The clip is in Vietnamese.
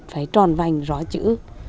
phải tròn vành rõ chữ